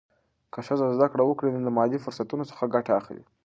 که ښځه زده کړه وکړي، نو د مالي فرصتونو څخه ګټه اخلي.